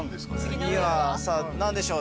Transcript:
次は何でしょう？